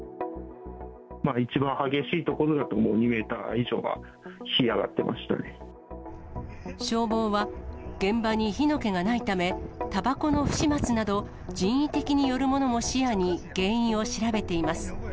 一番激しい所だともう２メーター以上は火、上がっていました消防は、現場に火の気がないため、たばこの不始末など、人為的によるものも視野に、原因を調べています。